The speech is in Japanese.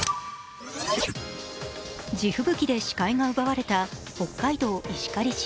地吹雪で視界が奪われた北海道石狩市。